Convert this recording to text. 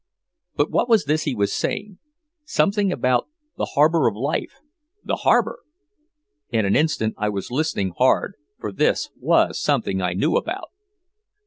But what was this he was saying! Something about "the harbor of life." The harbor! In an instant I was listening hard, for this was something I knew about.